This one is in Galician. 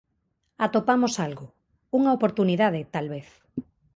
Atopamos algo. Unha oportunidade, tal vez.